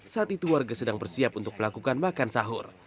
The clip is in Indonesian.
saat itu warga sedang bersiap untuk melakukan makan sahur